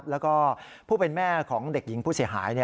แล้วก็ผู้เป็นแม่ของเด็กหญิงผู้เสียหาย